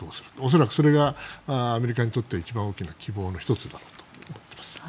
恐らくそれがアメリカにとって一番大きな希望の１つだったと思っています。